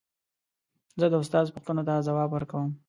زه د استاد پوښتنو ته ځواب ورکوم.